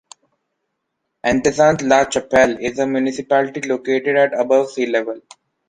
Antezant-la-Chapelle is a municipality located at above sea level.